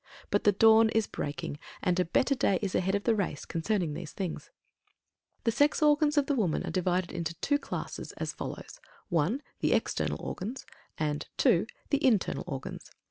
But the dawn is breaking, and a better day is ahead of the race concerning these things. The sex organs of the woman are divided into two classes, as follows: (1) The external organs; and (2) the internal organs.